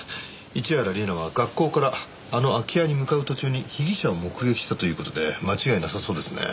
市原里奈は学校からあの空き家に向かう途中に被疑者を目撃したという事で間違いなさそうですね。